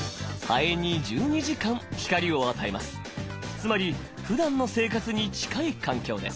つまりふだんの生活に近い環境です。